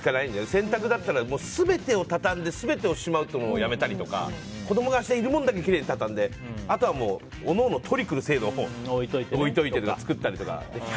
洗濯だったら全てを畳んで全てをしまうのをやめたりとか子供が着るものだけきれいに畳んであとは各々取りに来る制度を作るとか。